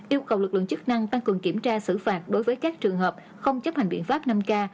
yêu cầu lực lượng chức năng tăng cường kiểm tra xử phạt đối với các trường hợp không chấp hành biện pháp năm k